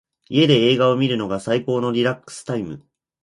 家で映画を観るのが最高のリラックスタイム。